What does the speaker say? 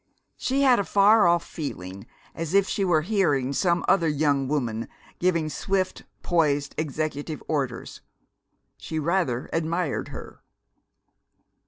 She had a far off feeling as if she were hearing some other young woman giving swift, poised, executive orders. She rather admired her.